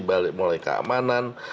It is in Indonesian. balik mulai keamanan